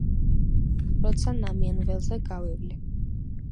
როცა ნამიან ველზე გავივლი